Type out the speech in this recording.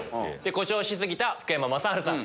誇張し過ぎた福山雅治さん。